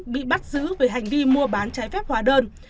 bị bắt giữ về hành vi mua bán trái phép hóa đơn